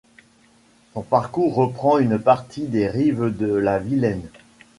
Son parcours reprend une partie des rives de la Vilaine.